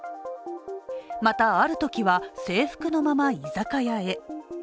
またあるときは、制服のまま居酒屋へ。